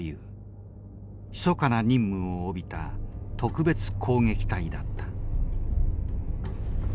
ひそかな任務を帯びた特別攻撃隊だった。